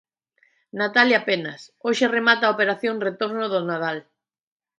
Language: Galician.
Natalia Penas, hoxe remata a operación retorno do Nadal.